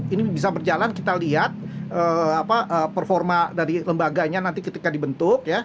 ini bisa berjalan kita lihat performa dari lembaganya nanti ketika dibentuk